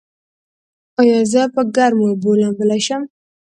ایا زه په ګرمو اوبو لامبلی شم؟